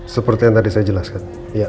seperti yang tadi saya jelaskan